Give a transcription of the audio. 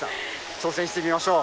挑戦してみましょう。